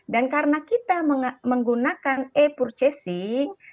dan karena kita menggunakan e purchasing